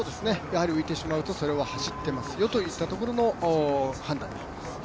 浮いてしまうと、それは走ってますよといったところの判断になります。